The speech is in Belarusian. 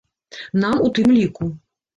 Нам у тым ліку.